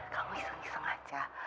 kamu iseng iseng aja